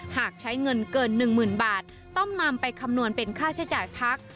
หากใช้เงินเกิน๑๐๐๐บาทต้องนำไปคำนวณเป็นค่าใช้จ่ายพัก